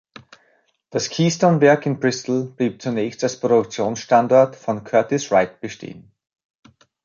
Das Keystone-Werk in Bristol blieb zunächst als Produktionsstandort von "Curtiss-Wright" bestehen.